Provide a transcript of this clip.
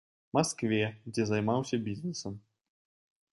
Маскве, дзе займаўся бізнэсам.